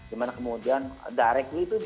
di mana kemudian direct we itu